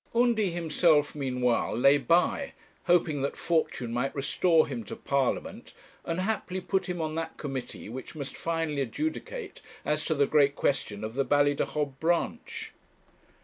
Undy himself meanwhile lay by, hoping that fortune might restore him to Parliament, and haply put him on that committee which must finally adjudicate as to the great question of the Ballydehob branch.